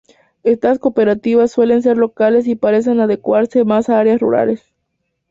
Estas cooperativas suelen ser locales y parecen adecuarse más a áreas rurales.